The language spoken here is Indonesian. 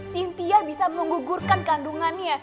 sintia bisa menggugurkan kandungannya